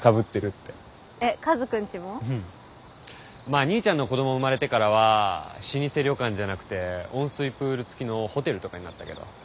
まあ兄ちゃんの子ども生まれてからは老舗旅館じゃなくて温水プールつきのホテルとかになったけど。